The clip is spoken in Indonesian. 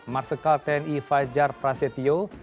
marsikal tni fajar prasetyo